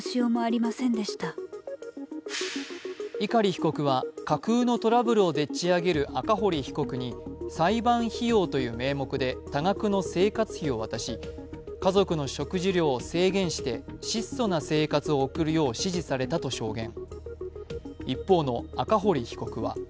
碇被告は、架空のトラブルをでっち上げる赤堀被告に裁判費用という名目で多額の生活費を渡し家族の食事量を制限して質素な生活を送るよう指示されたと証言。